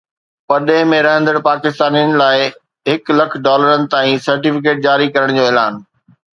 پرڏيهه ۾ رهندڙ پاڪستانين لاءِ هڪ لک ڊالرن تائين سرٽيفڪيٽ جاري ڪرڻ جو اعلان